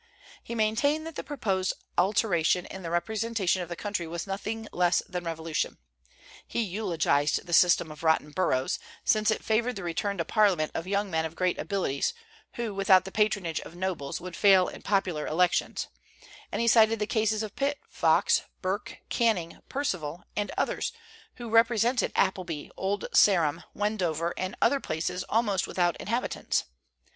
He maintained that the proposed alteration in the representation of the country was nothing less than revolution. He eulogized the system of rotten boroughs, since it favored the return to Parliament of young men of great abilities, who without the patronage of nobles would fail in popular elections; and he cited the cases of Pitt, Fox, Burke, Canning, Perceval, and others who represented Appleby, Old Sarum, Wendover, and other places almost without inhabitants.